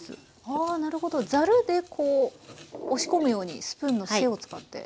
はあなるほどざるでこう押し込むようにスプーンの背を使って。